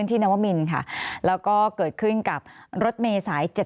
มีประวัติศาสตร์ที่สุดในประวัติศาสตร์